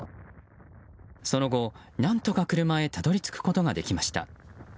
その後、何とか車へたどり着くことができました。